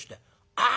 「ああ。